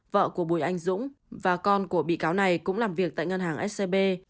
vợ của bùi anh dũng và con của bị cáo này cũng làm việc tại ngân hàng scb